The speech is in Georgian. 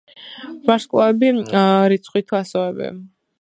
ვარსკვლავები, რიცხვები თუ ასოები?